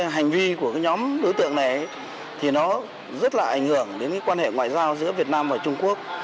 hành vi của nhóm đối tượng này rất ảnh hưởng đến quan hệ ngoại giao giữa việt nam và trung quốc